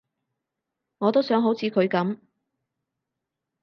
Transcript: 我都想好似佢噉